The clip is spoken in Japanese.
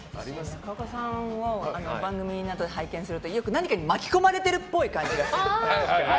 中岡さんは番組などで拝見するとよく何かに巻き込まれてるっぽい感じがする。